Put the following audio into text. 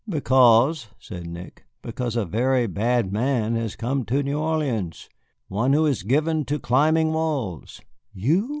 "Because," said Nick, "because a very bad man has come to New Orleans, one who is given to climbing walls." "You?"